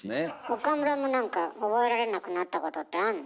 岡村も何か覚えられなくなったことってあんの？